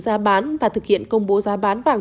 giá bán và thực hiện công bố giá bán vàng